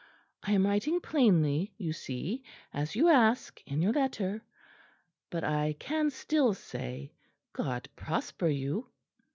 I am writing plainly you see, as you ask in your letter. But I can still say, God prosper you."